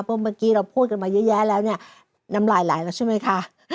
เพราะเมื่อกี้เราพูดกันมาเยอะแยะแล้วเนี่ยน้ำลายไหลแล้วใช่ไหมคะ